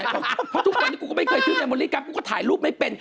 เพราะทุกวันที่กูไม่เคยชื่นในบริการ์ดกูก็ถ่ายรูปไม่เป็น